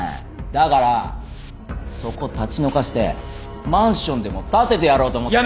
だからそこ立ち退かしてマンションでも建ててやろうと思って。